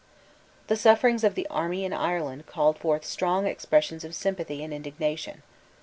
The sufferings of the army in Ireland called forth strong expressions of sympathy and indignation.